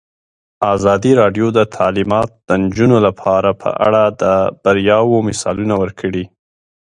ازادي راډیو د تعلیمات د نجونو لپاره په اړه د بریاوو مثالونه ورکړي.